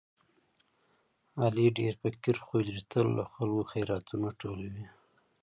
علي ډېر فقیر خوی لري، تل له خلکو خیراتونه ټولوي.